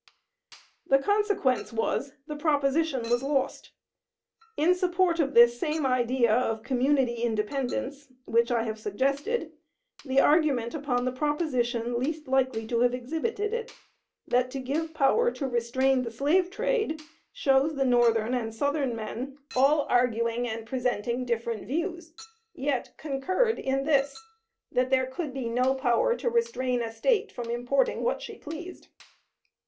The consequence was, the proposition was lost. In support of this same idea of community independence, which I have suggested, the argument upon the proposition least likely to have exhibited it, that to give power to restrain the slave trade, shows the Northern and Southern men all arguing and presenting different views, yet concurred in this, that there could be no power to restrain a State from importing what she pleased.